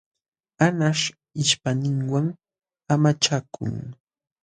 Añaśh ishpayninwan amachakun.